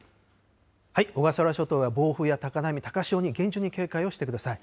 小笠原諸島は暴風や高波、高潮に厳重に警戒をしてください。